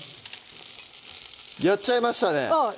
やっちゃいましたね